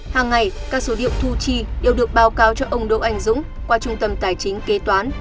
hàng ngày các số liệu thu chi đều được báo cáo cho ông đỗ anh dũng qua trung tâm tài chính kế toán